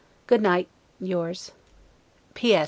Good night. Yours. P. S.